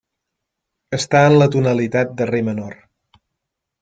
Està en la tonalitat de re menor.